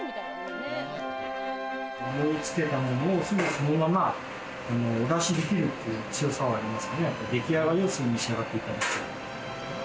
盛り付けたものをすぐそのまま、お出しできるっていう強さはありますので、でき上がりを召し上がっていただく。